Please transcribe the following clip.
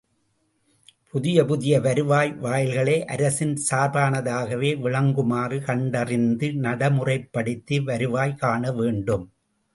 புதிய புதிய வருவாய் வாயில்களை அரசின் சார்பானதாகவே விளங்குமாறு கண்டறிந்து நடைமுறைப் படுத்தி, வருவாய் காணவேண்டும்.